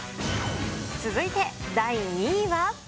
続いて第２位は。